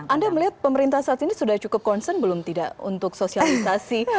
anda melihat pemerintah saat ini sudah cukup concern belum tidak untuk sosialisasi